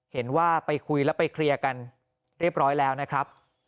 เห็นว่าไปคุยแล้วไปเคลียร์กันเรียบร้อยแล้วนะครับ